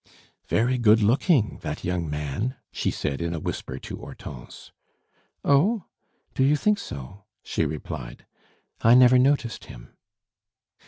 "Very good looking that young man," said she in a whisper to Hortense. "Oh, do you think so?" she replied. "I never noticed him."